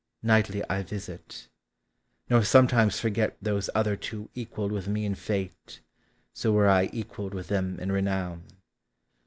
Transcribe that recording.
Nightly I visit: nor sometimes forget Those other two equalled with me in fate, So were I equalled with them in renown.